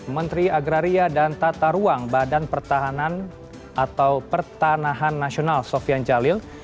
menteri agraria dan tata ruang badan pertahanan atau pertanahan nasional sofian jalil